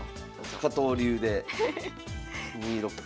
加藤流で２六歩。